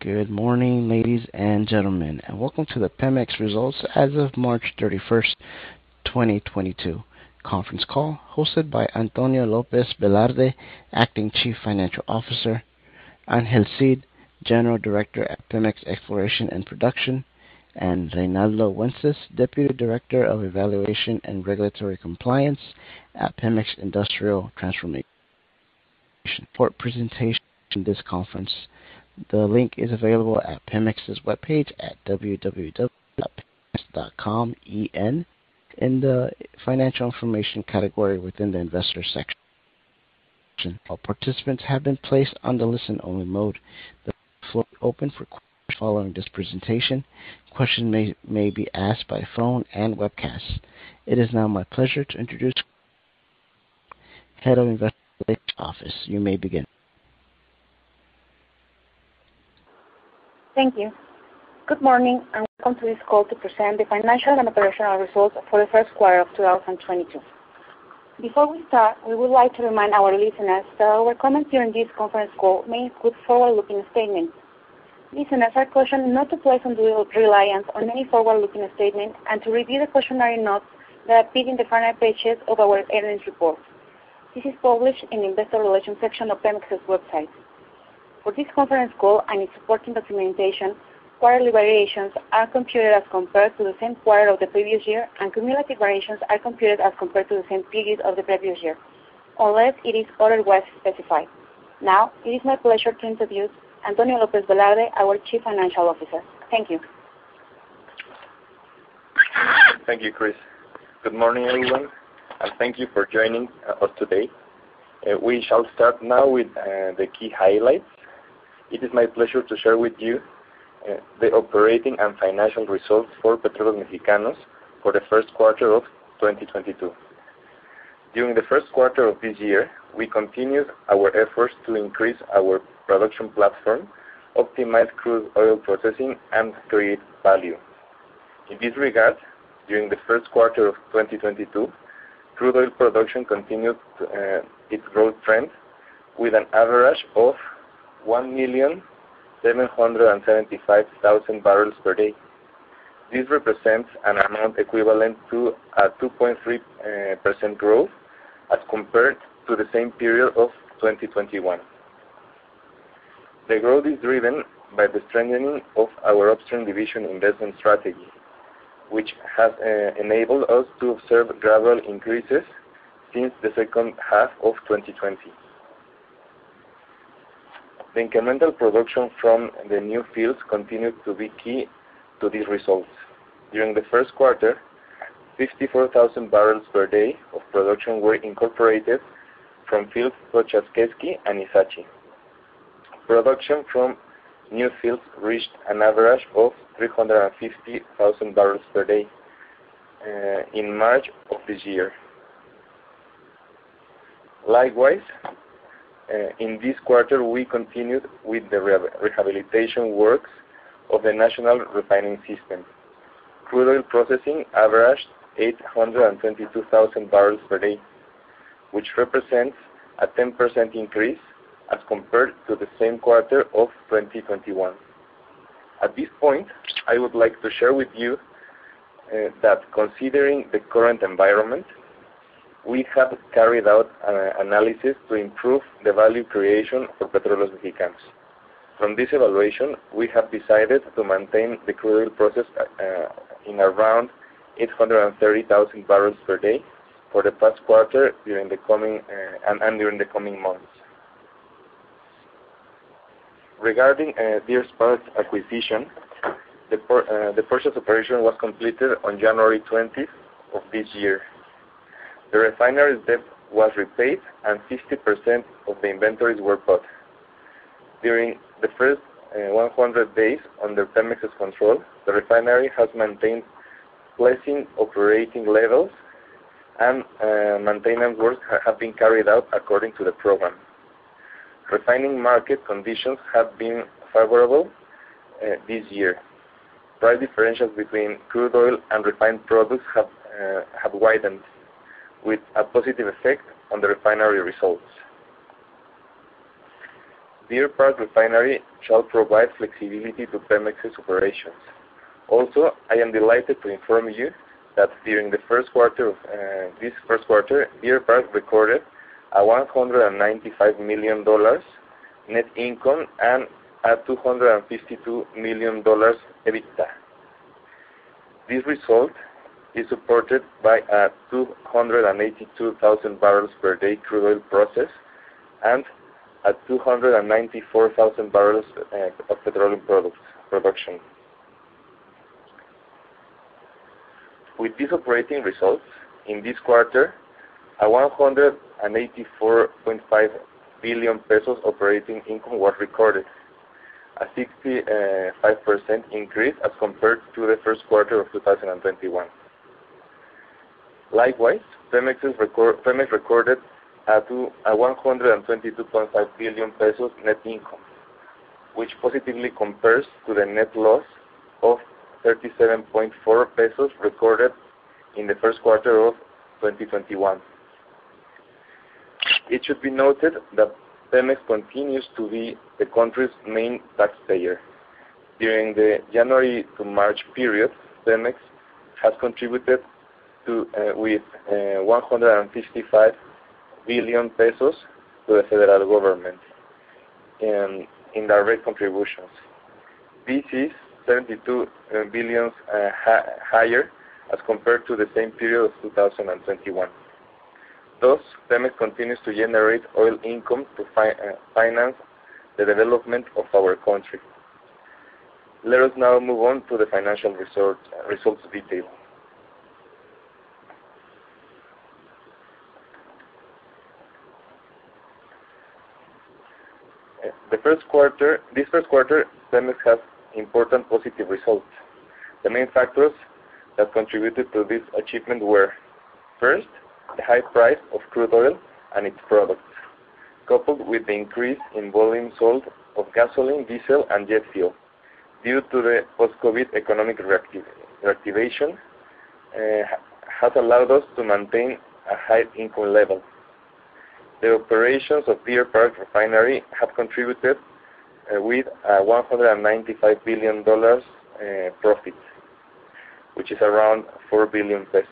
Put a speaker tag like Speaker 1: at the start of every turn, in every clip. Speaker 1: Good morning, ladies and gentlemen, and Welcome to the Pemex Results as of March 31, 2022 Conference Call hosted by Antonio López Velarde, Acting Chief Financial Officer, Ángel Cid, General Director at Pemex Exploration and Production, and Reinaldo Wences, Deputy Director of Evaluation and Regulatory Compliance at Pemex Industrial Transformation. For the presentation of this conference, the link is available at Pemex's webpage at www.pemex.com/en in the Financial Information category within the Investor section. All participants have been placed on the listen-only mode. The floor will be open for questions following this presentation. Questions may be asked by phone and webcast. It is now my pleasure to introduce Head of Investor Relations Office. You may begin.
Speaker 2: Thank you. Good morning, and Welcome to this call to present the financial and operational results for the first quarter of 2022. Before we start, we would like to remind our listeners that our comments during this conference call may include forward-looking statements. Listeners are cautioned not to place undue reliance on any forward-looking statements and to review the cautionary notes that appear in the final pages of our earnings report. This is published in the Investor Relations section of Pemex's website. For this conference call and its supporting documentation, quarterly variations are computed as compared to the same quarter of the previous year, and cumulative variations are computed as compared to the same period of the previous year, unless it is otherwise specified. Now, it is my pleasure to introduce Antonio López Velarde, our Chief Financial Officer. Thank you.
Speaker 3: Thank you, Chris. Good morning, everyone, and thank you for joining us today. We shall start now with the key highlights. It is my pleasure to share with you the operating and financial results for Petróleos Mexicanos for the first quarter of 2022. During the first quarter of this year, we continued our efforts to increase our production platform, optimize crude oil processing, and create value. In this regard, during the first quarter of 2022, crude oil production continued its growth trend with an average of 1,775,000 barrels per day. This represents an amount equivalent to a 2.3% growth as compared to the same period of 2021. The growth is driven by the strengthening of our upstream division investment strategy, which has enabled us to observe gradual increases since the second half of 2020. The incremental production from the new fields continued to be key to these results. During the first quarter, 54,000 barrels per day of production were incorporated from fields such as Keski and Ixachi. Production from new fields reached an average of 350,000 barrels per day in March of this year. Likewise, in this quarter, we continued with the rehabilitation works of the national refining system. Crude oil processing averaged 822,000 barrels per day, which represents a 10% increase as compared to the same quarter of 2021. At this point, I would like to share with you that considering the current environment, we have carried out an analysis to improve the value creation for Petróleos Mexicanos. From this evaluation, we have decided to maintain the crude oil process in around 830,000 barrels per day for the first quarter during the coming months. Regarding Deer Park acquisition, the purchase operation was completed on January twentieth of this year. The refinery's debt was repaid and 50% of the inventories were bought. During the first 100 days under Pemex's control, the refinery has maintained pleasing operating levels and maintenance work have been carried out according to the program. Refining market conditions have been favorable this year. Price differentials between crude oil and refined products have widened with a positive effect on the refinery results. Deer Park Refinery shall provide flexibility to Pemex's operations. I am delighted to inform you that during this first quarter, Deer Park recorded a $195 million net income and a $252 million EBITDA. This result is supported by a 282,000 barrels per day crude oil process and a 294,000 barrels of petroleum products production. With these operating results in this quarter, a 184.5 billion pesos operating income was recorded, a 65% increase as compared to the first quarter of 2021. Likewise, Pemex recorded 122.5 billion pesos net income, which positively compares to the net loss of 37.4 billion pesos recorded in the first quarter of 2021. It should be noted that Pemex continues to be the country's main taxpayer. During the January to March period, Pemex has contributed with 155 billion pesos to the federal government in direct contributions. This is 72 billion higher as compared to the same period of 2021. Thus, Pemex continues to generate oil income to finance the development of our country. Let us now move on to the financial results detail. This first quarter, Pemex has important positive results. The main factors that contributed to this achievement were, first, the high price of crude oil and its products, coupled with the increase in volume sold of gasoline, diesel, and jet fuel due to the post-COVID economic reactivation, has allowed us to maintain a high income level. The operations of Deer Park Refinery have contributed with $195 billion profit, which is around 4 billion pesos.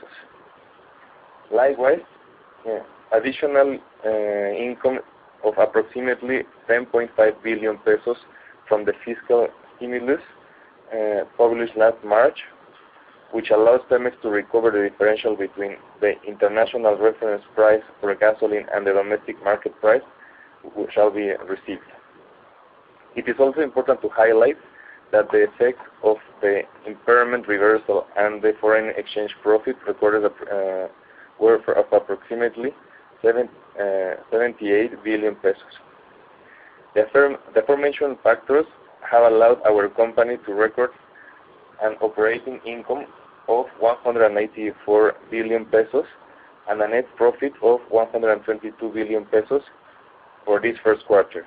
Speaker 3: Likewise, additional income of approximately 10.5 billion pesos from the fiscal stimulus published last March, which allows Pemex to recover the differential between the international reference price for gasoline and the domestic market price which shall be received. It is also important to highlight that the effect of the impairment reversal and the foreign exchange profit recorded were of approximately 78 billion pesos. The aforementioned factors have allowed our company to record an operating income of 184 billion pesos and a net profit of 122 billion pesos for this first quarter.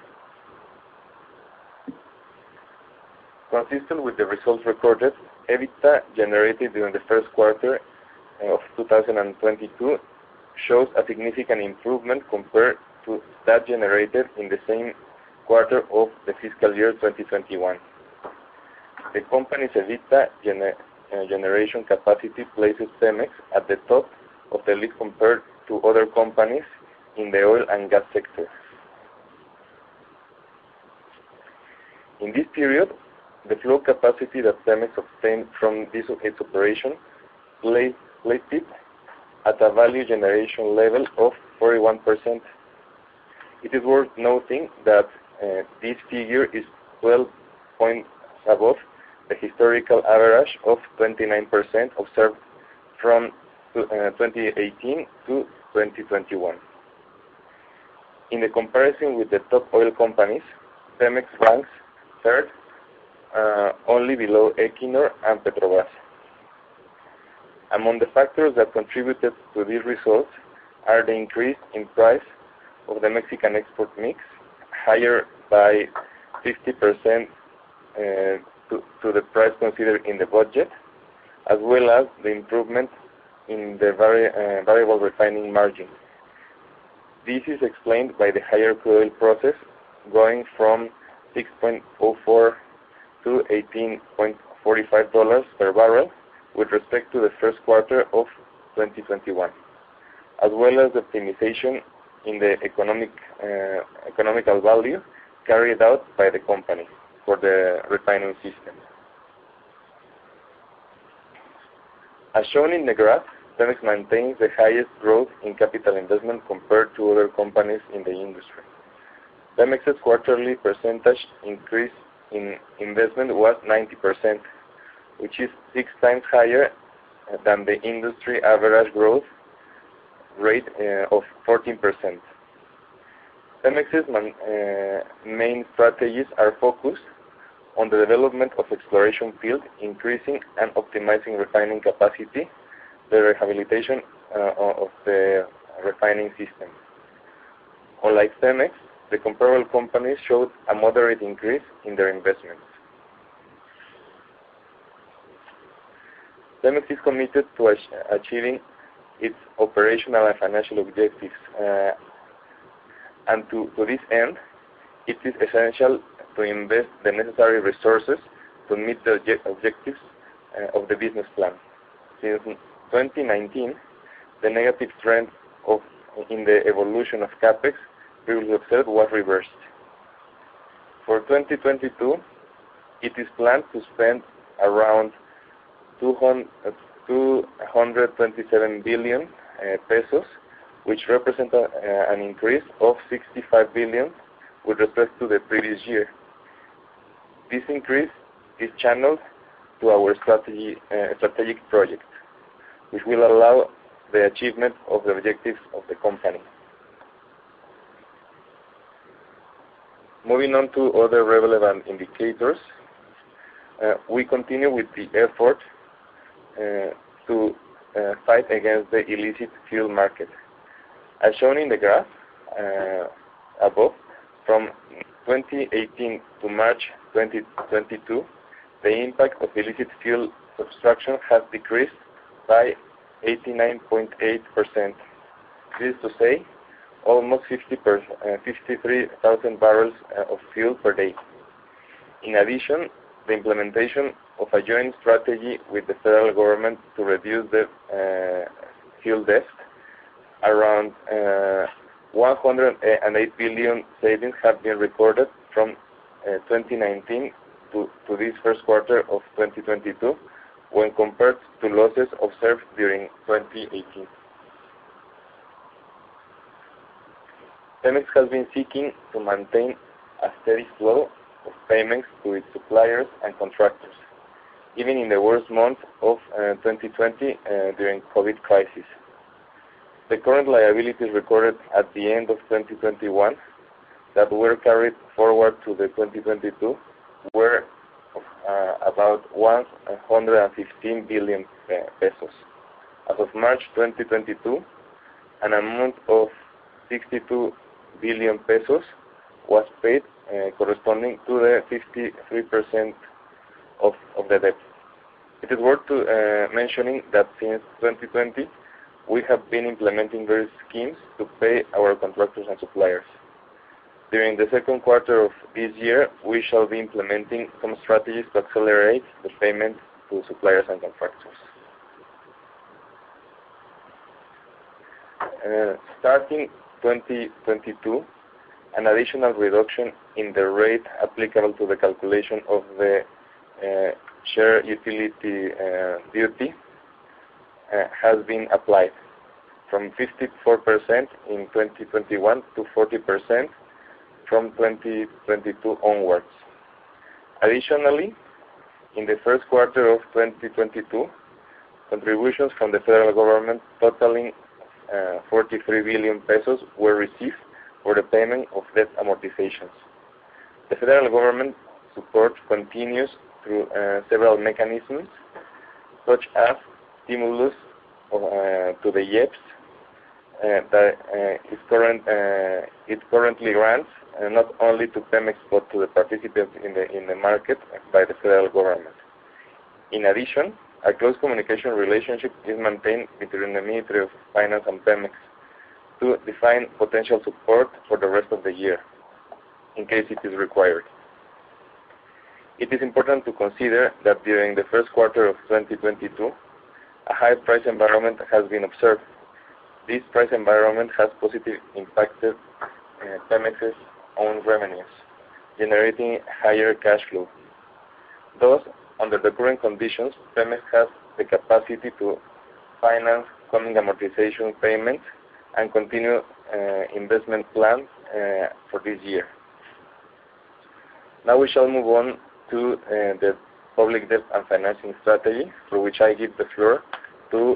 Speaker 3: Consistent with the results recorded, EBITDA generated during the first quarter of 2022 shows a significant improvement compared to that generated in the same quarter of the fiscal year 2021. The company's EBITDA generation capacity places Pemex at the top of the list compared to other companies in the oil and gas sector. In this period, the flow capacity that Pemex obtained from diesel case operation placed it at a value generation level of 41%. It is worth noting that this figure is 12 points above the historical average of 29% observed from 2018 to 2021. In the comparison with the top oil companies, Pemex ranks third, only below Equinor and Petrobras. Among the factors that contributed to these results are the increase in price of the Mexican export mix, higher by 50%, to the price considered in the budget, as well as the improvement in the variable refining margin. This is explained by the higher crude oil price, going from $6.04 to $18.45 per barrel with respect to the first quarter of 2021, as well as optimization in the economical value carried out by the company for the refining system. As shown in the graph, Pemex maintains the highest growth in capital investment compared to other companies in the industry. Pemex's quarterly percentage increase in investment was 90%, which is 6 times higher than the industry average growth rate of 14%. Pemex's main strategies are focused on the development of exploration field, increasing and optimizing refining capacity, the rehabilitation of the refining system. Unlike Pemex, the comparable companies showed a moderate increase in their investments. Pemex is committed to achieving its operational and financial objectives. To this end, it is essential to invest the necessary resources to meet the objectives of the business plan. Since 2019, the negative trend in the evolution of CapEx previously observed was reversed. For 2022, it is planned to spend around 227 billion pesos, which represent an increase of 65 billion with respect to the previous year. This increase is channeled to our strategy, strategic project, which will allow the achievement of the objectives of the company. Moving on to other relevant indicators, we continue with the effort to fight against the illicit fuel market. As shown in the graph above from 2018 to March 2022, the impact of illicit fuel subtraction has decreased by 89.8%. This is to say almost 53,000 barrels of fuel per day. In addition, the implementation of a joint strategy with the federal government to reduce the fuel debt, around 108 billion savings have been recorded from 2019 to this first quarter of 2022 when compared to losses observed during 2018. Pemex has been seeking to maintain a steady flow of payments to its suppliers and contractors, even in the worst months of 2020 during COVID crisis. The current liabilities recorded at the end of 2021 that were carried forward to 2022 were about 115 billion pesos. As of March 2022, an amount of 62 billion pesos was paid corresponding to the 53% of the debt. It is worth mentioning that since 2020, we have been implementing various schemes to pay our contractors and suppliers. During the second quarter of this year, we shall be implementing some strategies to accelerate the payment to suppliers and contractors. Starting 2022, an additional reduction in the rate applicable to the calculation of the Derecho de Utilidad Compartida has been applied from 54% in 2021 to 40% from 2022 onwards. Additionally, in the first quarter of 2022, contributions from the federal government totaling 43 billion pesos were received for the payment of debt amortizations. The federal government support continues through several mechanisms such as stimulus to the IEPS that is current, it currently runs not only to Pemex but to the participants in the market by the federal government. In addition, a close communication relationship is maintained between the Secretaría de Hacienda y Crédito Público and Pemex to define potential support for the rest of the year in case it is required. It is important to consider that during the first quarter of 2022, a high price environment has been observed. This price environment has positively impacted Pemex's own revenues, generating higher cash flow. Thus, under the current conditions, Pemex has the capacity to finance coming amortization payments and continue investment plans for this year. Now we shall move on to the public debt and financing strategy for which I give the floor to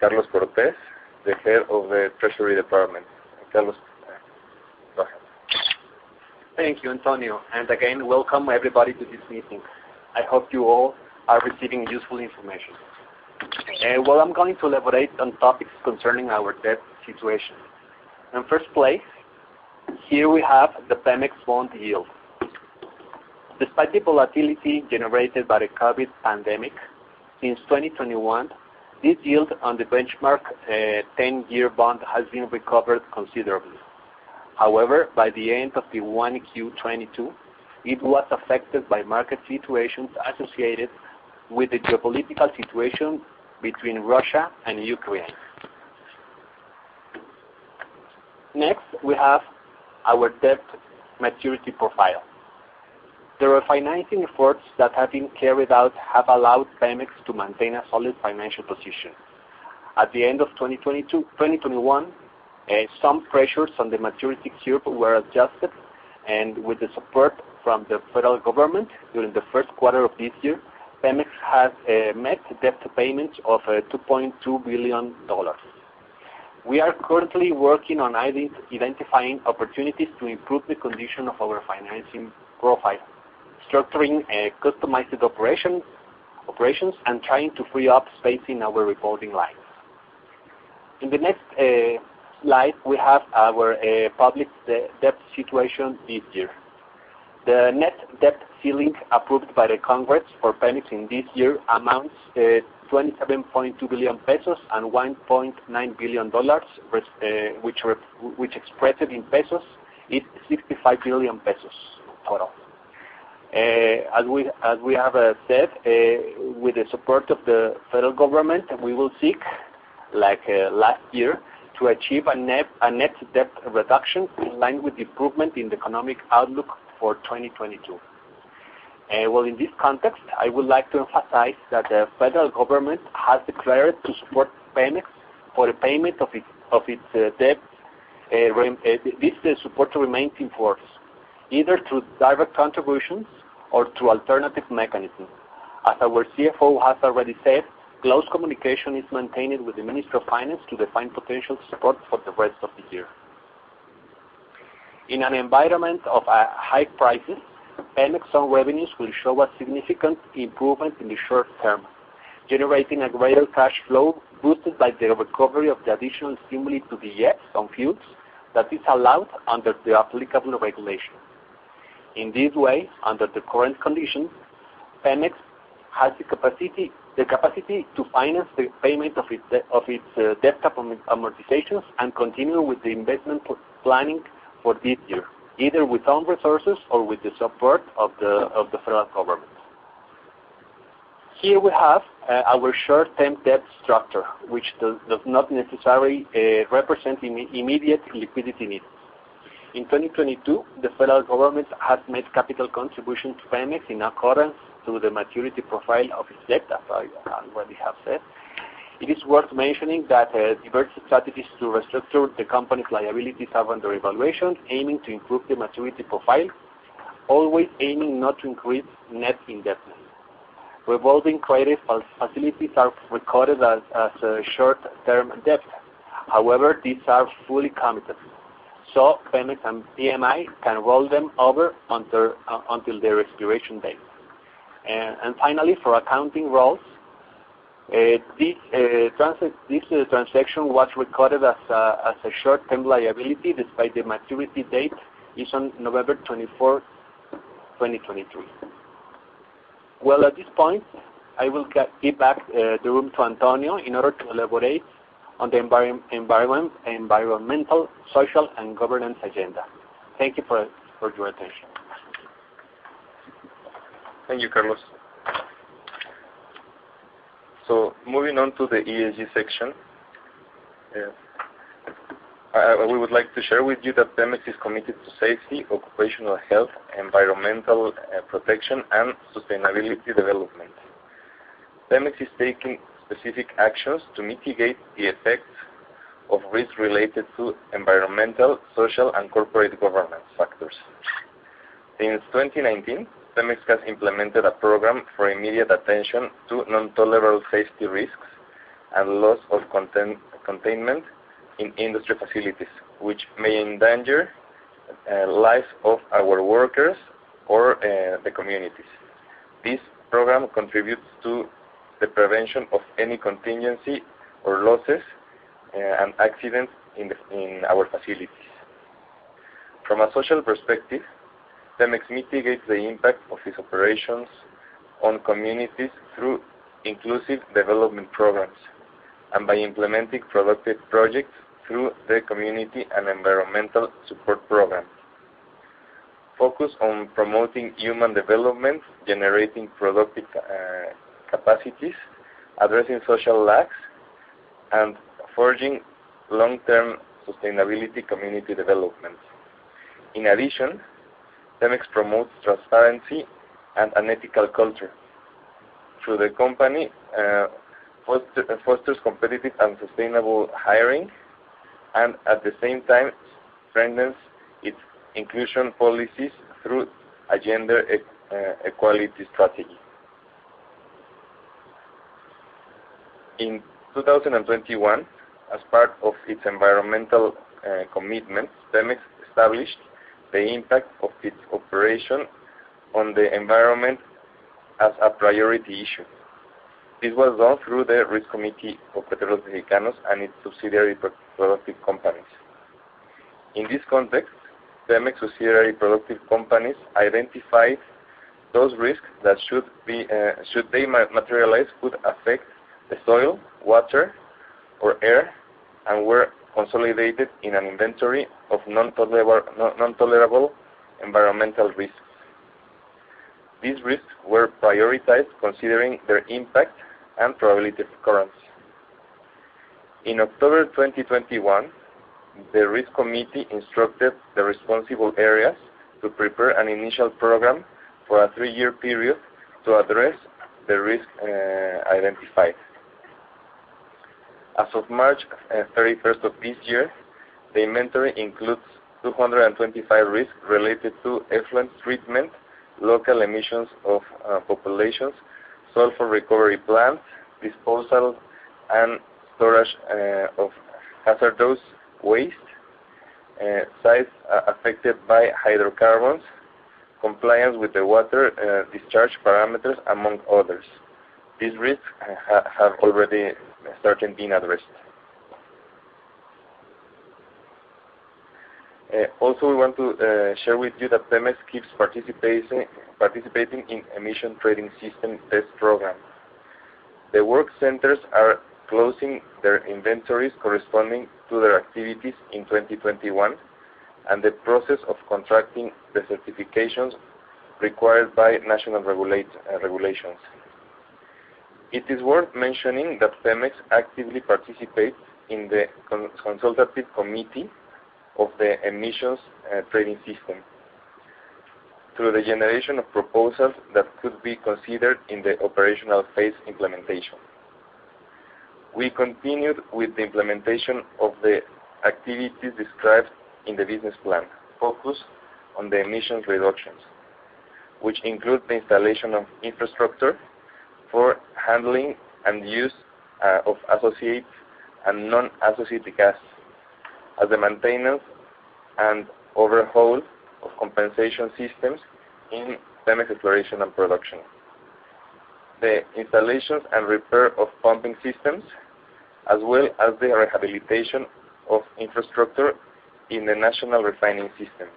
Speaker 3: Carlos Cortez, the head of the Treasury Department. Carlos, go ahead.
Speaker 4: Thank you, Antonio, and again, Welcome everybody to this meeting. I hope you all are receiving useful information. I'm going to elaborate on topics concerning our debt situation. In first place, here we have the Pemex bond yield. Despite the volatility generated by the COVID pandemic, since 2021, this yield on the benchmark, 10-year bond has been recovered considerably. However, by the end of the 1Q 2022, it was affected by market situations associated with the geopolitical situation between Russia and Ukraine. Next, we have our debt maturity profile. The refinancing efforts that have been carried out have allowed Pemex to maintain a solid financial position. At the end of 2021, some pressures on the maturity curve were adjusted, with the support from the federal government during the first quarter of this year, Pemex has met debt payments of $2.2 billion. We are currently working on identifying opportunities to improve the condition of our financing profile, structuring customized operations and trying to free up space in our reporting lines. In the next slide, we have our public debt situation this year. The net debt ceiling approved by the Congress for Pemex in this year amounts to 27.2 billion pesos and $1.9 billion, which expressed in pesos is 65 billion pesos total. As we have said, with the support of the federal government, we will seek, like, last year, to achieve a net debt reduction in line with the improvement in the economic outlook for 2022. Well, in this context, I would like to emphasize that the federal government has declared to support Pemex for the payment of its debt. This support remains in force either through direct contributions or through alternative mechanisms. As our CFO has already said, close communication is maintained with the Ministry of Finance to define potential support for the rest of the year. In an environment of high prices, Pemex revenues will show a significant improvement in the short term. Generating a greater cash flow boosted by the recovery of the additional stimuli to the IEPS on fuels that is allowed under the applicable regulation. In this way, under the current conditions, Pemex has the capacity to finance the payment of its debt amortizations and continue with the investment planning for this year, either with own resources or with the support of the federal government. Here we have our short-term debt structure, which does not necessarily represent immediate liquidity needs. In 2022, the federal government has made capital contribution to Pemex in accordance to the maturity profile of its debt, as I already have said. It is worth mentioning that diverse strategies to restructure the company's liabilities are under evaluation, aiming to improve the maturity profile, always aiming not to increase net indebtedness. Revolving credit facilities are recorded as short-term debt. However, these are fully committed, so Pemex and PMI can roll them over until their expiration date. Finally, for accounting purposes, this transaction was recorded as a short-term liability, despite the maturity date is on November 24, 2023. Well, at this point, I will give back the floor to Antonio in order to elaborate on the environmental, social, and governance agenda. Thank you for your attention.
Speaker 3: Thank you, Carlos. Moving on to the ESG section, we would like to share with you that Pemex is committed to safety, occupational health, environmental protection, and sustainable development. Pemex is taking specific actions to mitigate the effects of risks related to environmental, social, and corporate governance factors. Since 2019, Pemex has implemented a program for immediate attention to non-tolerable safety risks and loss of containment in industry facilities, which may endanger lives of our workers or the communities. This program contributes to the prevention of any contingency or losses and accidents in our facilities. From a social perspective, Pemex mitigates the impact of its operations on communities through inclusive development programs and by implementing productive projects through the community and environmental support program. Focus on promoting human development, generating productive capacities, addressing social lags, and forging long-term sustainability community development. In addition, Pemex promotes transparency and an ethical culture. Through the company, fosters competitive and sustainable hiring and, at the same time, strengthens its inclusion policies through a gender equality strategy. In 2021, as part of its environmental commitment, Pemex established the impact of its operation on the environment as a priority issue. This was done through the risk committee of Petróleos Mexicanos and its subsidiary productive companies. In this context, Pemex subsidiary productive companies identified those risks that should they materialize, could affect the soil, water, or air and were consolidated in an inventory of non-tolerable environmental risks. These risks were prioritized considering their impact and probability of occurrence. In October 2021, the risk committee instructed the responsible areas to prepare an initial program for a 3-year period to address the risk identified. As of March 31 of this year, the inventory includes 225 risks related to effluent treatment, local emissions affecting populations, Sulfur recovery plants, disposal and storage of hazardous waste, sites affected by hydrocarbons, compliance with the water discharge parameters, among others. These risks have already started being addressed. We want to share with you that Pemex keeps participating in emissions trading system test program. The work centers are closing their inventories corresponding to their activities in 2021 and the process of contracting the certifications required by national regulations. It is worth mentioning that Pemex actively participates in the consultative committee of the emissions trading system through the generation of proposals that could be considered in the operational phase implementation. We continued with the implementation of the activities described in the business plan, focused on the emissions reductions, which include the installation of infrastructure for handling and use of associated and non-associated gases, as the maintenance and overhaul of compression systems in Pemex Exploration and Production, the installations and repair of pumping systems, as well as the rehabilitation of infrastructure in the national refining system.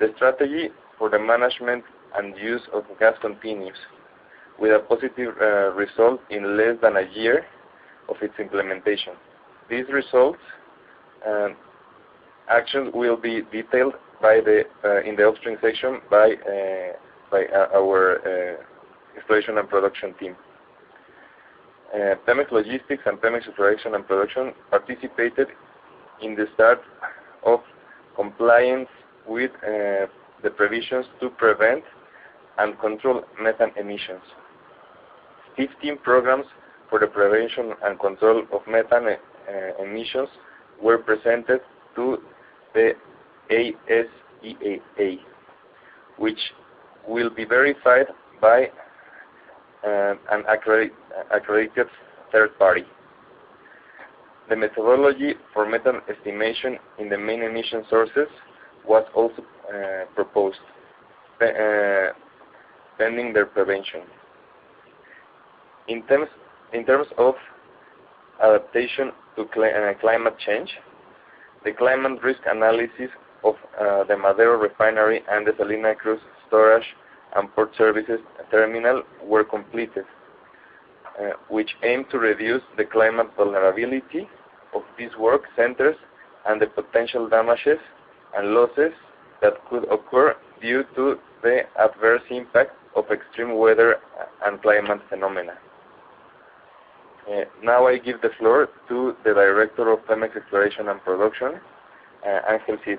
Speaker 3: The strategy for the management and use of gas continues with a positive result in less than a year of its implementation. These results, actions will be detailed in the upstream section by our exploration and production team. Pemex Logístics and Pemex Exploration and Production participated in the start of compliance with the provisions to prevent and control methane emissions. 15 programs for the prevention and control of methane emissions were presented to the ASEA, which will be verified by an accredited third party. The methodology for methane estimation in the main emission sources was also proposed, pending their prevention. In terms of adaptation to climate change, the climate risk analysis of the Madero Refinery and the Salina Cruz Storage and Port Services Terminal were completed, which aim to reduce the climate vulnerability of these work centers and the potential damages and losses that could occur due to the adverse impact of extreme weather and climate phenomena. Now I give the floor to the Director of Pemex Exploration and Production, Ángel Cid.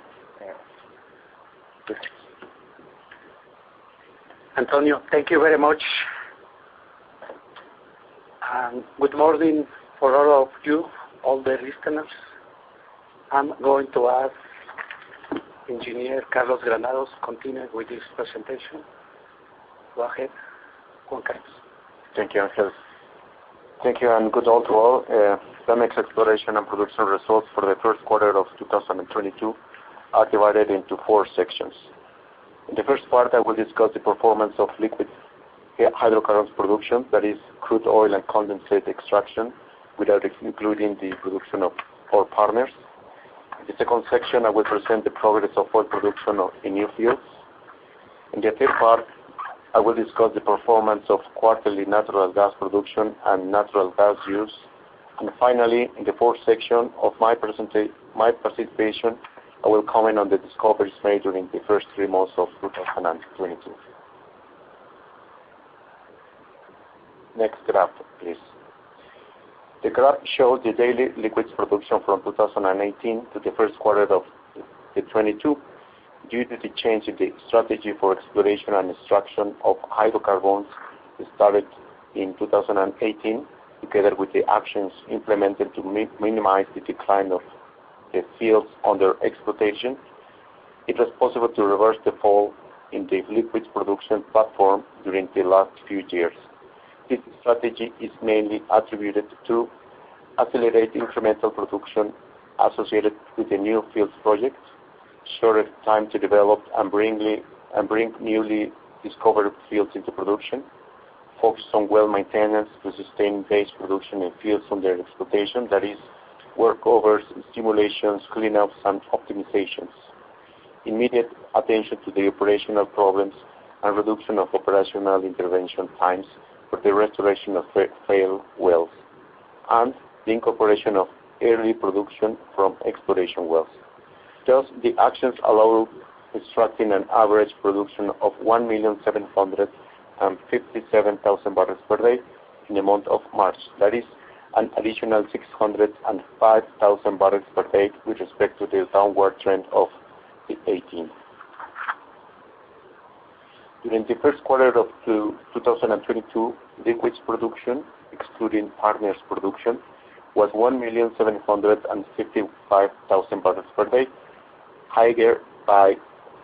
Speaker 5: Antonio, thank you very much. Good morning for all of you, all the listeners. I'm going to ask Engineer Carlos Granados continue with his presentation. Go ahead. All kinds.
Speaker 6: Thank you, Ángel. Thank you, and good day to all. Pemex Exploration and Production results for the first quarter of 2022 are divided into four sections. In the first part, I will discuss the performance of liquid hydrocarbons production, that is crude oil and condensate extraction, without including the production of oil partners. In the second section, I will present the progress of oil production in new fields. In the third part, I will discuss the performance of quarterly natural gas production and natural gas use. Finally, in the fourth section of my participation, I will comment on the discoveries made during the first three months of 2022. Next graph, please. The graph shows the daily liquids production from 2018 to the first quarter of 2022. Due to the change in the strategy for exploration and extraction of hydrocarbons started in 2018, together with the actions implemented to minimize the decline of the fields under exploitation, it was possible to reverse the fall in the liquids production platform during the last few years. This strategy is mainly attributed to accelerate incremental production associated with the new fields projects, shorter time to develop and bring newly discovered fields into production, focus on well maintenance to sustain base production in fields under exploitation. That is workovers and stimulations, cleanups, and optimizations. Immediate attention to the operational problems and reduction of operational intervention times for the restoration of failed wells, and the incorporation of early production from exploration wells. Thus, the actions allow extracting an average production of 1,757,000 barrels per day in the month of March. That is an additional 605,000 barrels per day with respect to the downward trend of 2018. During the first quarter of 2022, liquids production, excluding partners' production, was 1,755,000 barrels per day, higher by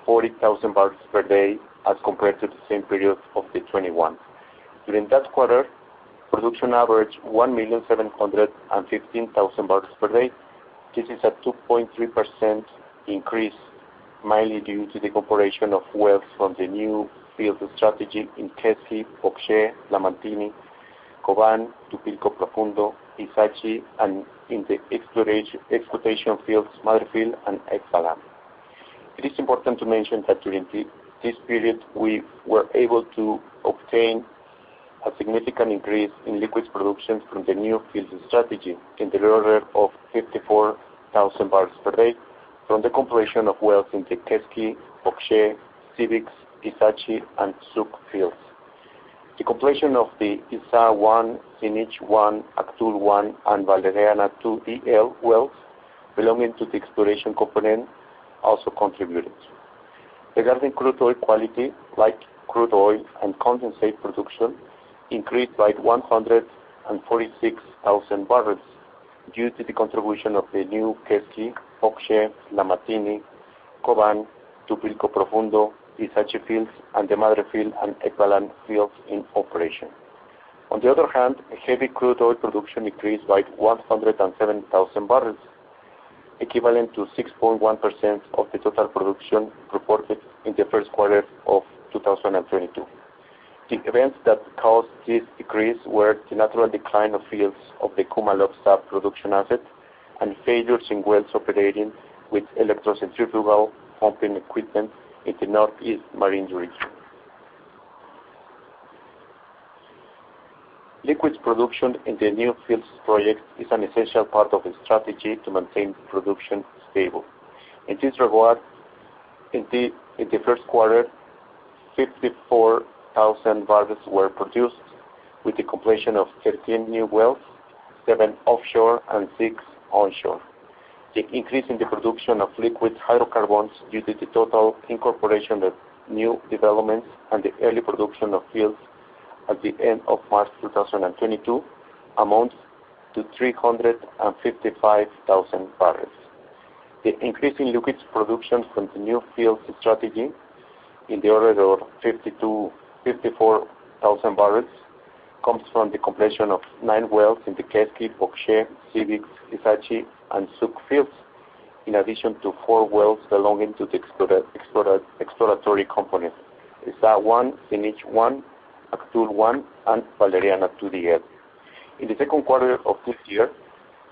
Speaker 6: 40,000 barrels per day as compared to the same period of 2021. During that quarter, production averaged 1,715,000 barrels per day. This is a 2.3% increase, mainly due to the incorporation of wells from the new field strategy in Cibix, Oxe, Lamantín, Cobán, Tupilco Profundo, Ixachi, and in the exploitation fields, Madrejil and Ebalán. It is important to mention that during this period, we were able to obtain a significant increase in liquids production from the new fields strategy in the order of 54,000 barrels per day from the completion of wells in the Keski, Oxe, Cibix, Ixachi, and Tsuk fields. The completion of the Ixá-1, Xinich-1, Actul-1, and Valeriana-2 EL wells belonging to the exploration component also contributed. Regarding crude oil quality, light crude oil and condensate production increased by 146,000 barrels due to the contribution of the new Keski, Oxe, Lamantín, Cobán, Tupilco Profundo, Ixachi fields, and the Madrejil and Ebalán fields in operation. On the other hand, heavy crude oil production increased by 107,000 barrels, equivalent to 6.1% of the total production reported in the first quarter of 2022. The events that caused this decrease were the natural decline of fields of the Ku-Maloob sub-production asset and failures in wells operating with electrocentrifugal pumping equipment in the Northeast Marine region. Liquids production in the new fields project is an essential part of the strategy to maintain production stable. In this regard, in the first quarter, 54,000 barrels were produced with the completion of 13 new wells, seven offshore and six onshore. The increase in the production of liquid hydrocarbons due to the total incorporation of new developments and the early production of fields at the end of March 2022 amounts to 355,000 barrels. The increase in liquids production from the new fields strategy in the order of 50-54 thousand barrels comes from the completion of nine wells in the Tsuk, Pokché, Sibi'x, Ixachi, and Suuk fields, in addition to four wells belonging to the exploratory companies. Ixá-1, Xinich-1, Actul-1, and Valeriana-2DEL. In the second quarter of this year,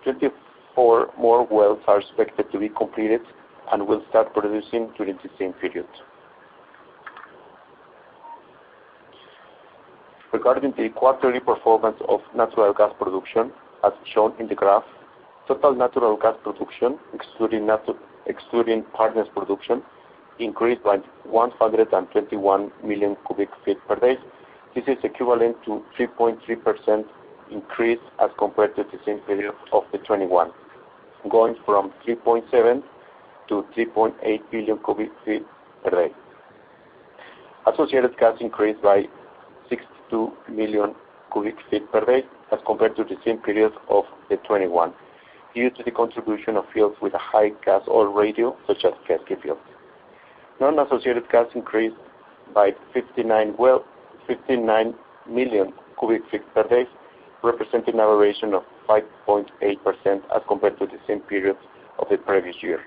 Speaker 6: 24 more wells are expected to be completed and will start producing during the same period. Regarding the quarterly performance of natural gas production, as shown in the graph, total natural gas production excluding partners production increased by 121 million cubic feet per day. This is equivalent to 3.3% increase as compared to the same period of 2021. Going from 3.7 to 3.8 billion cubic feet per day. Associated gas increased by 62 million cubic feet per day as compared to the same period of 2021 due to the contribution of fields with a high gas oil ratio, such as Keski field. Non-associated gas increased by 59 million cubic feet per day, representing a variation of 5.8% as compared to the same period of the previous year.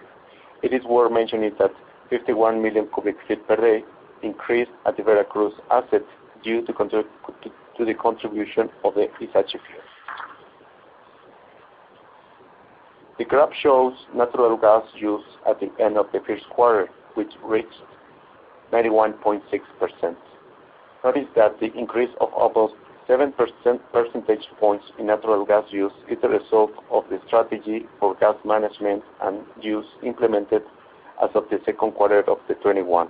Speaker 6: It is worth mentioning that 51 million cubic feet per day increased at the Veracruz assets due to the contribution of the Ixachi field. The graph shows natural gas use at the end of the first quarter, which reached 91.6%. Notice that the increase of almost 7 percentage points in natural gas use is the result of the strategy for gas management and use implemented as of the second quarter of 2021.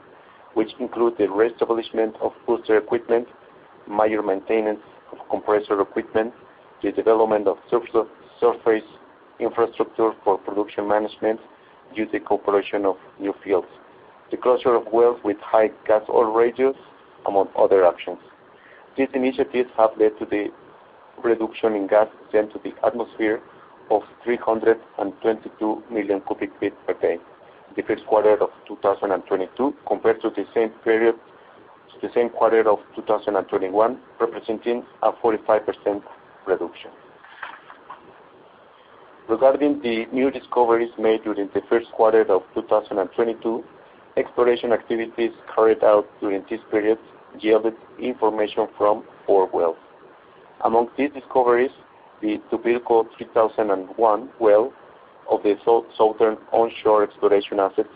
Speaker 6: Which include the reestablishment of booster equipment, minor maintenance of compressor equipment, the development of subsurface infrastructure for production management due to incorporation of new fields, the closure of wells with high gas oil ratios, among other actions. These initiatives have led to the reduction in gas sent to the atmosphere of 322 million cubic feet per day in the first quarter of 2022 compared to the same period, the same quarter of 2021, representing a 45% reduction. Regarding the new discoveries made during the first quarter of 2022, exploration activities carried out during this period yielded information from 4 wells. Among these discoveries, the Tupilco 3,001 well of the southeastern onshore exploration assets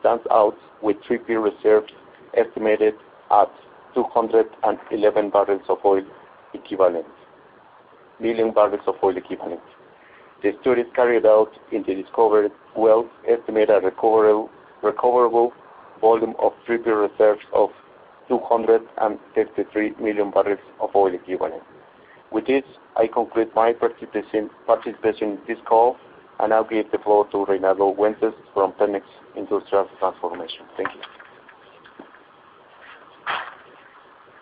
Speaker 6: stands out with 3P reserves estimated at 211 million barrels of oil equivalent. The studies carried out in the discovered wells estimate a recoverable volume of 3P reserves of 233 million barrels of oil equivalent. With this, I conclude my participation in this call, and now give the floor to Reinaldo Wences from Pemex Industrial Transformation. Thank you.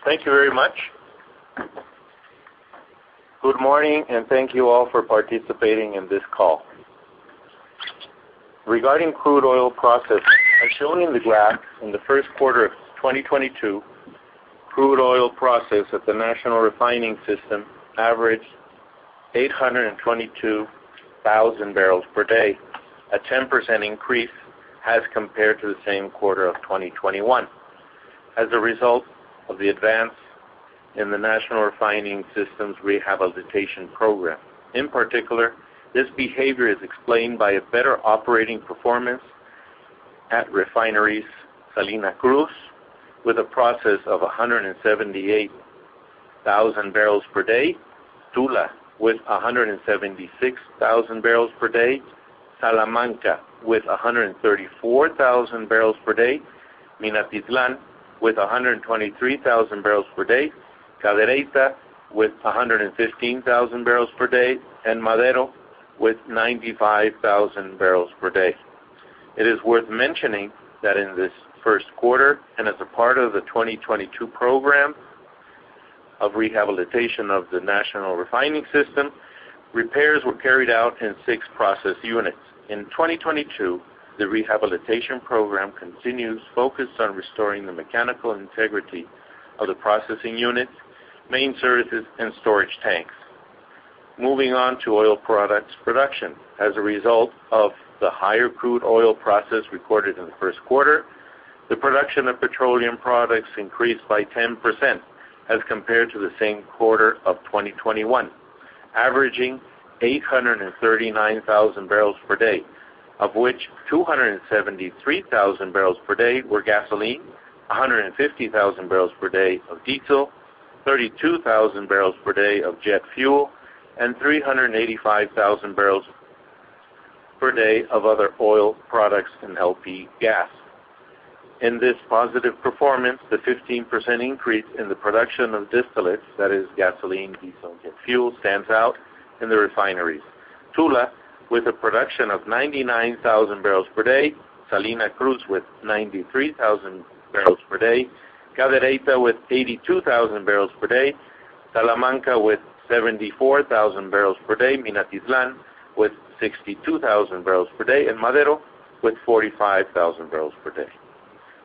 Speaker 7: Thank you very much. Good morning, and thank you all for participating in this call. Regarding crude oil processing, as shown in the graph, in the first quarter of 2022, crude oil processed at the national refining system averaged 822,000 barrels per day, a 10% increase as compared to the same quarter of 2021. As a result of the advance in the national refining system's rehabilitation program. In particular, this behavior is explained by a better operating performance at refineries Salina Cruz with a processing of 178,000 barrels per day, Tula with 176,000 barrels per day, Salamanca with 134,000 barrels per day, Minatitlán with 123,000 barrels per day, Cadereyta with 115,000 barrels per day, and Madero with 95,000 barrels per day. It is worth mentioning that in this first quarter, as a part of the 2022 program of rehabilitation of the national refining system. Repairs were carried out in six process units. In 2022, the rehabilitation program continues focused on restoring the mechanical integrity of the processing units, main services, and storage tanks. Moving on to oil products production. As a result of the higher crude oil processing recorded in the first quarter, the production of petroleum products increased by 10% as compared to the same quarter of 2021, averaging 839,000 barrels per day, of which 273,000 barrels per day were gasoline, 150,000 barrels per day of diesel, 32,000 barrels per day of jet fuel, and 385,000 barrels per day of other oil products and LP gas. In this positive performance, the 15% increase in the production of distillates, that is gasoline, diesel, and jet fuel, stands out in the refineries. Tula with a production of 99,000 barrels per day, Salina Cruz with 93,000 barrels per day, Cadereyta with 82,000 barrels per day, Salamanca with 74,000 barrels per day, Minatitlán with 62,000 barrels per day, and Madero with 45,000 barrels per day.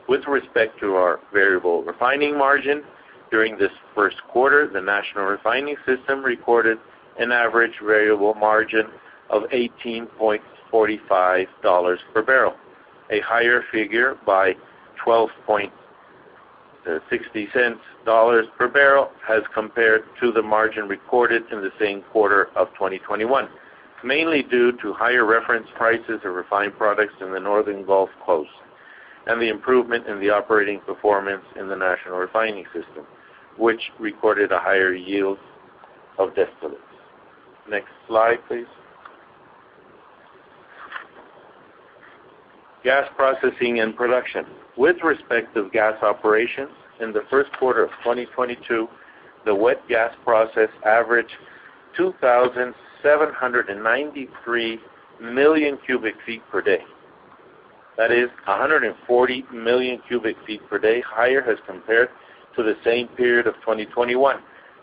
Speaker 7: With respect to our variable refining margin, during this first quarter, the national refining system recorded an average variable margin of $18.45 per barrel, a higher figure by $12.60 per barrel as compared to the margin recorded in the same quarter of 2021, mainly due to higher reference prices of refined products in the Northern Gulf Coast and the improvement in the operating performance in the national refining system, which recorded a higher yield of distillates. Next slide, please. Gas processing and production. With respect to gas operations, in the first quarter of 2022, the wet gas processing averaged 2,793 million cubic feet per day. That is 140 million cubic feet per day higher as compared to the same period of 2021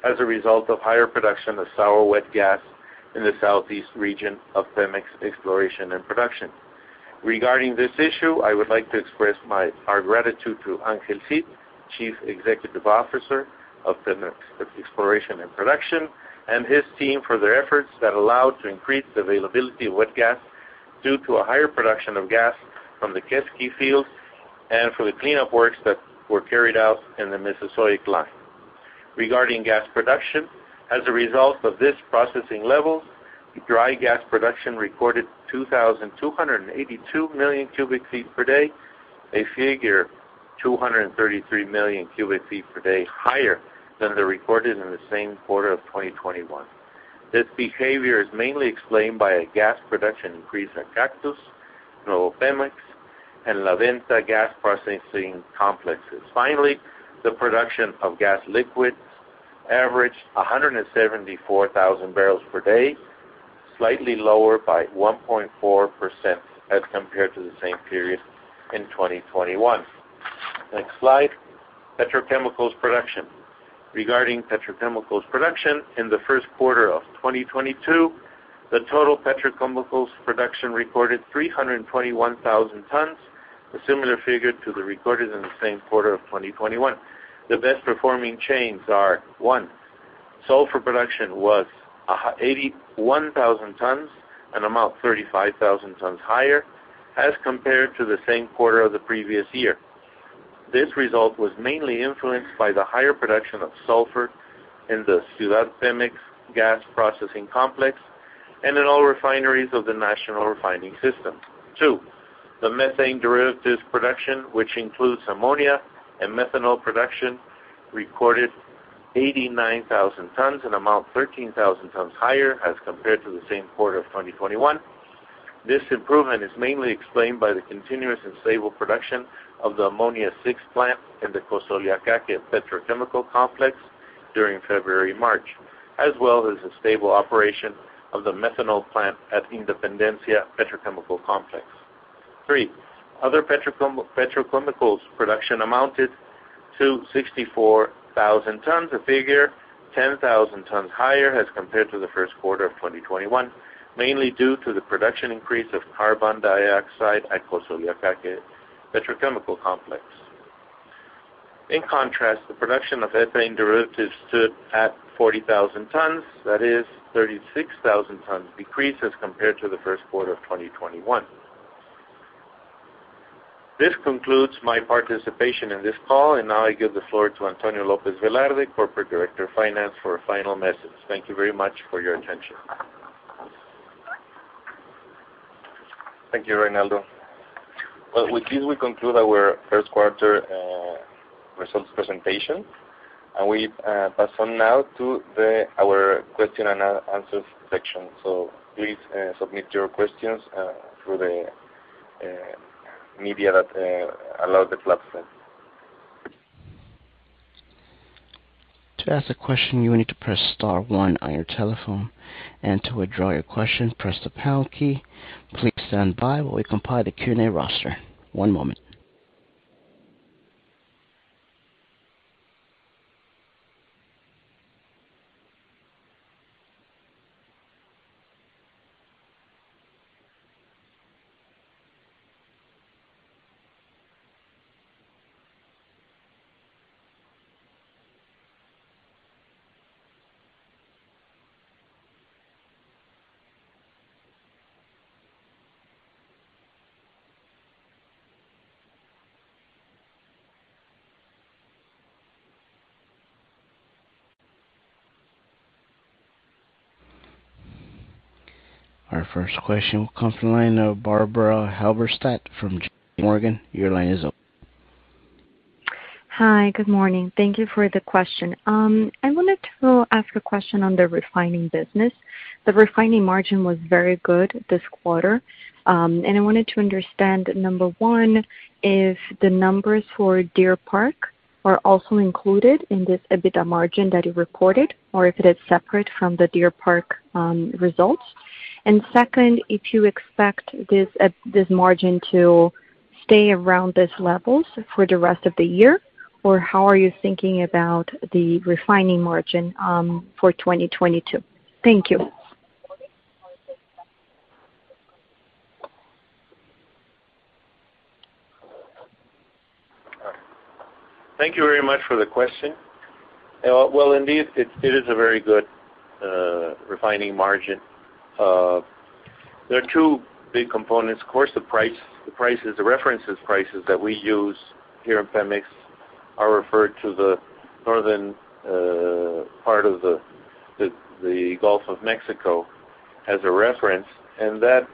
Speaker 7: as a result of higher production of sour wet gas in the southeast region of Pemex Exploration and Production. Regarding this issue, I would like to express our gratitude to Ángel Cid, Chief Executive Officer of Pemex Exploration and Production, and his team for their efforts that allowed to increase the availability of wet gas due to a higher production of gas from the Keski field and for the cleanup works that were carried out in the Mesozoic line. Regarding gas production, as a result of this processing levels, dry gas production recorded 2,282 million cubic feet per day, a figure 233 million cubic feet per day higher than the recorded in the same quarter of 2021. This behavior is mainly explained by a gas production increase in Cactus, Nuevo Pemex, and La Venta gas processing complexes. Finally, the production of gas liquids averaged 174,000 barrels per day, slightly lower by 1.4% as compared to the same period in 2021. Next slide. Petrochemicals production. Regarding petrochemicals production, in the first quarter of 2022, the total petrochemicals production recorded 321,000 tons, a similar figure to the recorded in the same quarter of 2021. The best-performing chains are, one, sulfur production was 81,000 tons, an amount 35,000 tons higher as compared to the same quarter of the previous year. This result was mainly influenced by the higher production of sulfur in the Ciudad Pemex gas processing complex and in all refineries of the national refining system. Two, the methane derivatives production, which includes ammonia and methanol production, recorded 89,000 tons, an amount 13,000 tons higher as compared to the same quarter of 2021. This improvement is mainly explained by the continuous and stable production of the Ammonia Plant 6 in the Cosoleacaque Petrochemical Complex during February-March, as well as the stable operation of the methanol plant at Independencia Petrochemical Complex. Three, other petrochemicals production amounted to 64,000 tons, a figure 10,000 tons higher as compared to the first quarter of 2021, mainly due to the production increase of carbon dioxide at Cosoleacaque Petrochemical Complex. In contrast, the production of ethane derivatives stood at 40,000 tons. That is 36,000 tons decrease as compared to the first quarter of 2021. This concludes my participation in this call, and now I give the floor to Antonio López Velarde, Corporate Director of Finance, for a final message. Thank you very much for your attention.
Speaker 3: Thank you, Reinaldo. Well, with this, we conclude our first quarter results presentation, and we pass on now to our question and answers section. Please submit your questions through the means that the platform allows.
Speaker 1: To ask a question, you will need to press star one on your telephone, and to withdraw your question, press the pound key. Please stand by while we compile the Q&A roster. One moment. Our first question comes from the line of Barbara Halberstadt from JPMorgan. Your line is open.
Speaker 8: Hi, good morning. Thank you for the question. I wanted to ask a question on the refining business. The refining margin was very good this quarter. I wanted to understand, number one, if the numbers for Deer Park are also included in this EBITDA margin that you reported, or if it is separate from the Deer Park results. Second, if you expect this margin to stay around these levels for the rest of the year, or how are you thinking about the refining margin for 2022? Thank you.
Speaker 7: Thank you very much for the question. Well, indeed, it is a very good refining margin. There are two big components. Of course, the price. The prices, the reference prices that we use here in Pemex are referred to the northern part of the Gulf of Mexico as a reference. That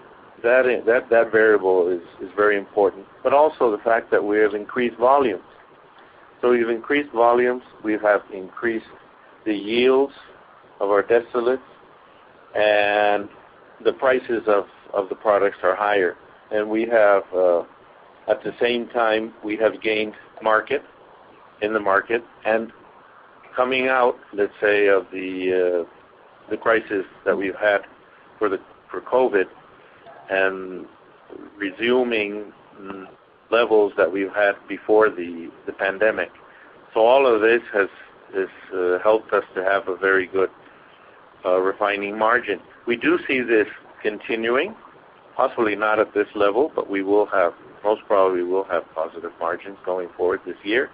Speaker 7: variable is very important, but also the fact that we have increased volumes. We've increased volumes, we have increased the yields of our distillates, and the prices of the products are higher. We have, at the same time, we have gained market in the market. Coming out, let's say, of the crisis that we've had for COVID and resuming levels that we've had before the pandemic. All of this has helped us to have a very good refining margin. We do see this continuing, possibly not at this level, but we most probably will have positive margins going forward this year.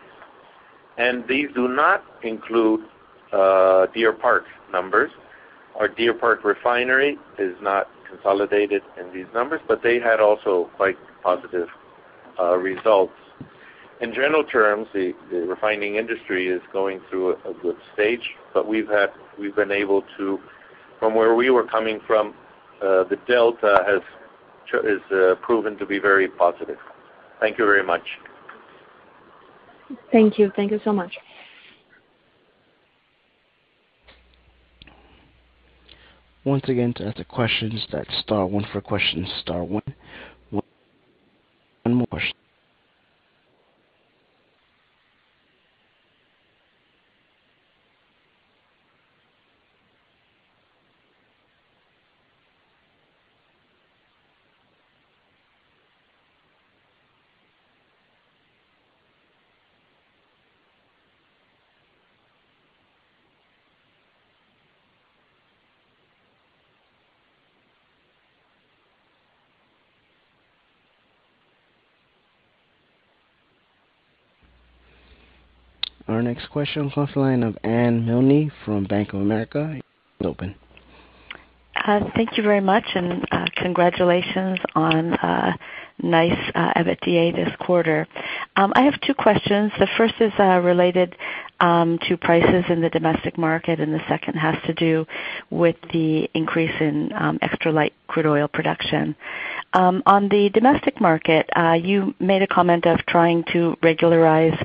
Speaker 7: These do not include Deer Park numbers. Our Deer Park Refinery is not consolidated in these numbers, but they had also quite positive results. In general terms, the refining industry is going through a good stage, but we've been able to, from where we were coming from, the delta is proven to be very positive. Thank you very much.
Speaker 8: Thank you. Thank you so much.
Speaker 1: Once again, to ask the questions, dial star one. For questions, star one. One more. Our next question comes from the line of Anne Milne from Bank of America. Your line is open.
Speaker 9: Hi, thank you very much, and congratulations on nice EBITDA this quarter. I have two questions. The first is related to prices in the domestic market, and the second has to do with the increase in extra light crude oil production. On the domestic market, you made a comment of trying to regularize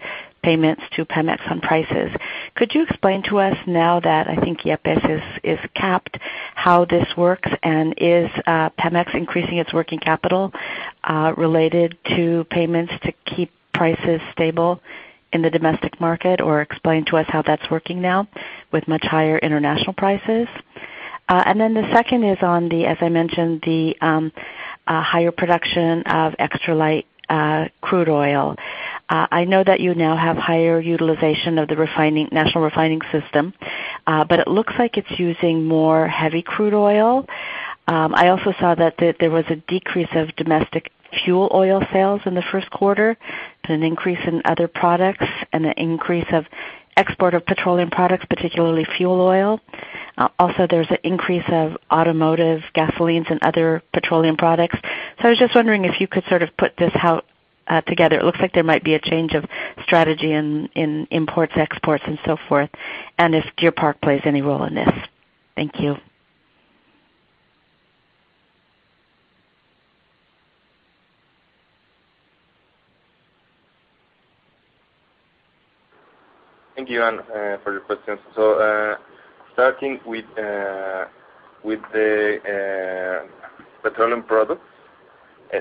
Speaker 9: payments to Pemex on prices. Could you explain to us now that I think IEPS is capped, how this works? Is Pemex increasing its working capital related to payments to keep prices stable in the domestic market? Or explain to us how that's working now with much higher international prices. Then the second is on the higher production of extra light crude oil, as I mentioned. I know that you now have higher utilization of the refining, national refining system, but it looks like it's using more heavy crude oil. I also saw that there was a decrease of domestic fuel oil sales in the first quarter to an increase in other products and an increase of export of petroleum products, particularly fuel oil. Also there's an increase of automotive gasolines and other petroleum products. I was just wondering if you could sort of put this together. It looks like there might be a change of strategy in imports, exports and so forth, and if Deer Park plays any role in this. Thank you.
Speaker 3: Thank you, Anne, for your questions. Starting with the petroleum products,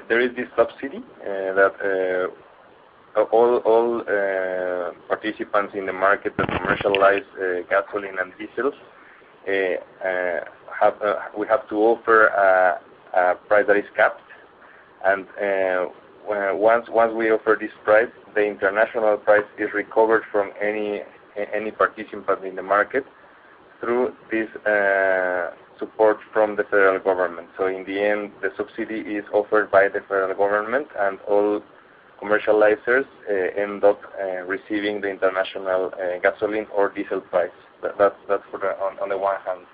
Speaker 3: there is this subsidy that all participants in the market that commercialize gasoline and diesel we have to offer price that is capped. Once we offer this price, the international price is recovered from any participant in the market through this support from the federal government. In the end, the subsidy is offered by the federal government, and all Commercializers end up receiving the international gasoline or diesel price. That's on the one hand.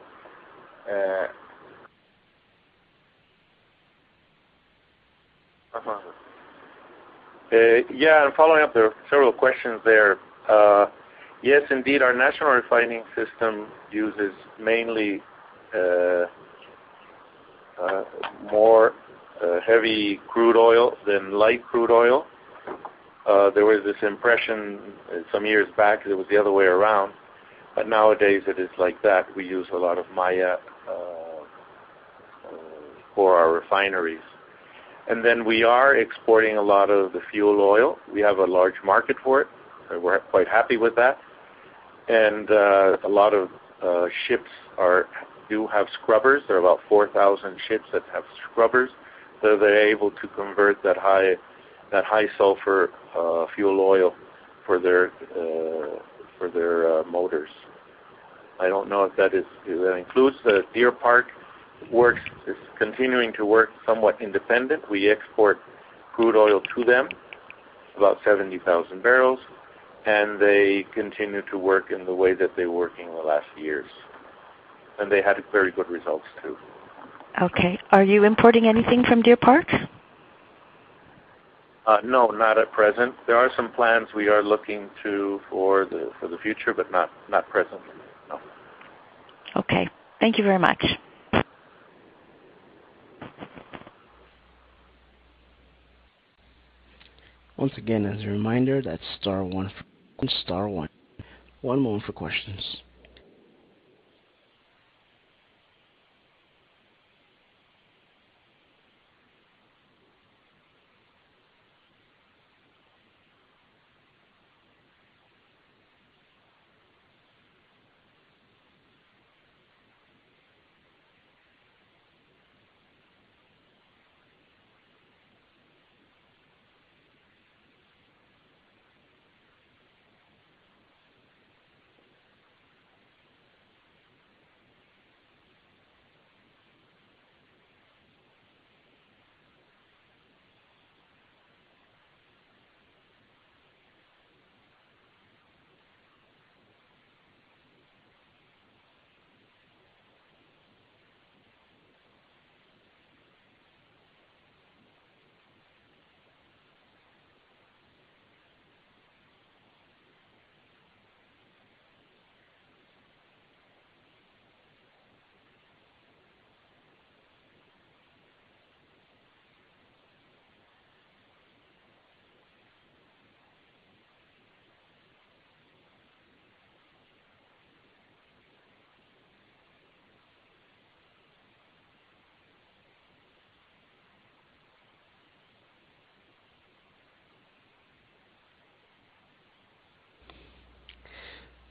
Speaker 7: Yeah. Following up, there are several questions there. Yes, indeed. Our national refining system uses mainly more heavy crude oil than light crude oil. There was this impression some years back that it was the other way around, but nowadays it is like that. We use a lot of Maya for our refineries. Then we are exporting a lot of the fuel oil. We have a large market for it, and we're quite happy with that. A lot of ships do have scrubbers. There are about 4,000 ships that have scrubbers, so they're able to convert that high sulfur fuel oil for their motors. I don't know if that includes the Deer Park Refinery. It's continuing to work somewhat independent. We export crude oil to them, about 70,000 barrels, and they continue to work in the way that they were working the last years. They had very good results, too.
Speaker 9: Okay. Are you importing anything from Deer Park?
Speaker 7: No, not at present. There are some plans we are looking to for the future, but not presently, no.
Speaker 9: Okay. Thank you very much.
Speaker 1: Once again, as a reminder, that's star one for star one. One moment for questions.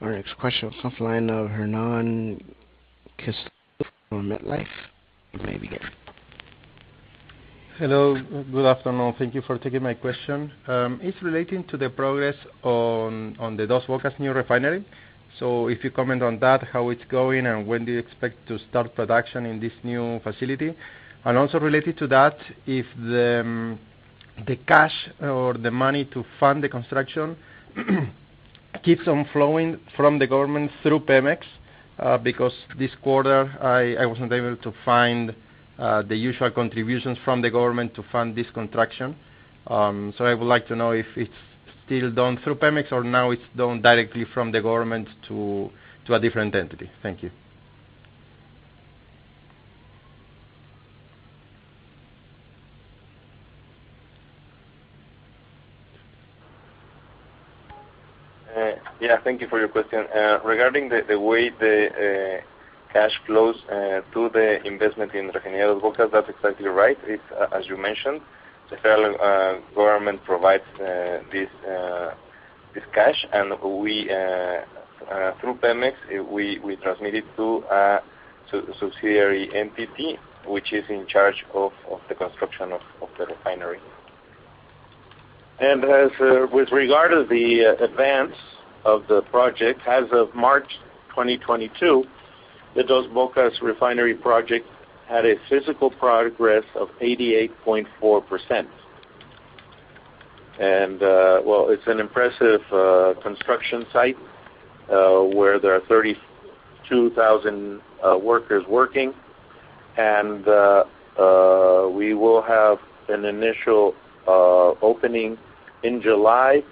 Speaker 1: Our next question comes from the line of Hernán Castelo from MetLife. You may begin.
Speaker 10: Hello. Good afternoon. Thank you for taking my question. It's relating to the progress on the Dos Bocas new refinery. If you comment on that, how it's going, and when do you expect to start production in this new facility? Also related to that, if the cash or the money to fund the construction keeps on flowing from the government through Pemex, because this quarter, I wasn't able to find the usual contributions from the government to fund this construction. I would like to know if it's still done through Pemex or now it's done directly from the government to a different entity. Thank you.
Speaker 3: Yeah. Thank you for your question. Regarding the way the cash flows to the investment in Refinería Dos Bocas, that's exactly right. It's, as you mentioned, the federal government provides this cash, and we, through Pemex, transmit it to a subsidiary, PTI, which is in charge of the construction of the refinery.
Speaker 7: With regard to the advance of the project, as of March 2022, the Dos Bocas refinery project had a physical progress of 88.4%. It's an impressive construction site where there are 32,000 workers working. We will have an initial opening in July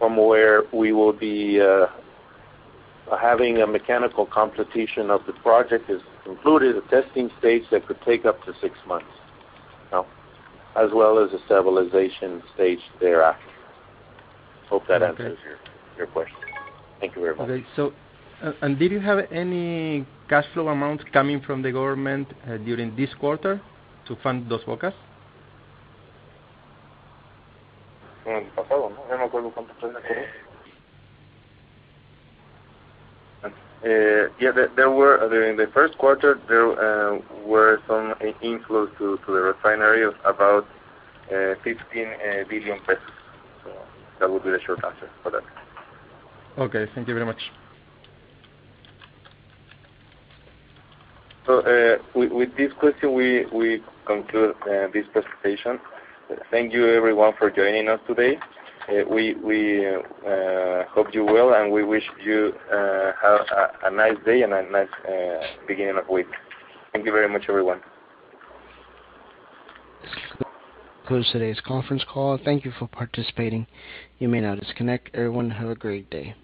Speaker 7: from where we will be having a mechanical completion of the project is included, a testing stage that could take up to six months, as well as a stabilization stage thereafter. Hope that answers your question. Thank you very much.
Speaker 10: Did you have any cash flow amount coming from the government during this quarter to fund Dos Bocas?
Speaker 3: During the first quarter, there were some inflows to the refinery of about 15 billion pesos. That would be the short answer for that.
Speaker 10: Okay. Thank you very much.
Speaker 3: With this question, we conclude this presentation. Thank you everyone for joining us today. We hope you're well, and we wish you have a nice day and a nice beginning of week. Thank you very much, everyone.
Speaker 1: This concludes today's conference call. Thank you for participating. You may now disconnect. Everyone, have a great day.